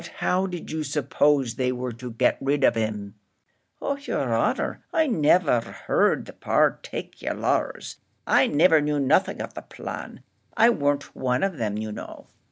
"But how did you suppose they were to get rid of him?" "Oh, yer honour, I niver heard the particklars; I niver knew nothin' of the plan. I warn't one of them, you know."